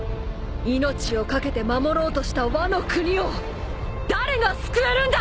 命を懸けて守ろうとしたワノ国を誰が救えるんだ！